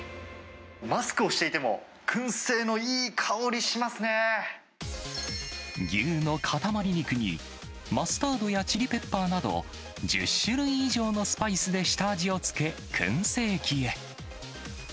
マスクをしていても、牛の塊肉に、マスタードやチリペッパーなど、１０種類以上のスパイスで下味をつけ、くん製機へ。